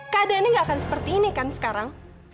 keadaannya nggak akan seperti ini kan sekarang